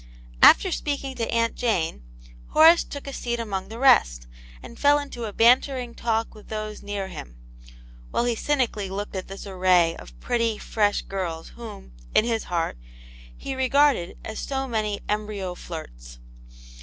After speaking to Aunt Jane, Horace took a seat among the rest, and fell into a bantering talk with those near him, while he cynically looked at this array of pretty, fresh girls, whom, in his heart, he regarded as so many embryo flirts.